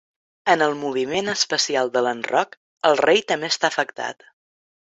En el moviment especial de l'enroc, el rei també està afectat.